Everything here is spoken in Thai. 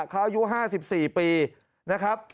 เขาอายุ๕๔ปีนะครับ